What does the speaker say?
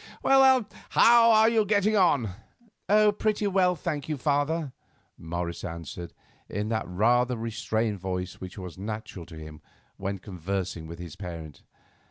Well, how are you getting on?" "Oh, pretty well, thank you, father," Morris answered, in that rather restrained voice which was natural to him when conversing with his parent.